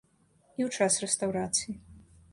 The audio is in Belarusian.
І ў час рэстаўрацыі.